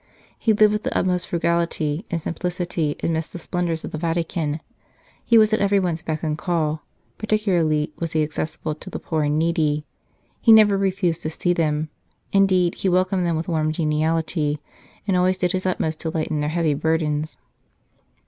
He lived with the utmost frugality and simplicity amidst the splendours of the Vatican ; he was at everyone s beck and call ; particularly was he accessible to the poor and needy he never refused to see them ; indeed, he welcomed them with warm geniality, and always did his utmost to lighten their heavy burdens.